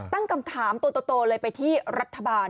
ตั้งคำถามตัวโตเลยไปที่รัฐบาล